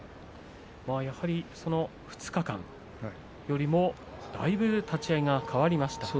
２日間よりもだいぶ立ち合いが変わりましたね。